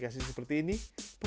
bagaimana menurut kamu pikiran